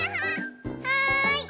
はい。